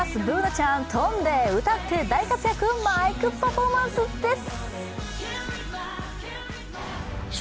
Ｂｏｏｎａちゃん、飛んで歌って大活躍、マイクパフォーマンスです！